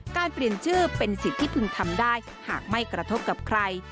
เปลี่ยนชื่อเป็นสิทธิ์ที่พึงทำได้หากไม่กระทบกับใคร